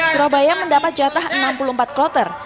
surabaya mendapat jatah enam puluh empat kloter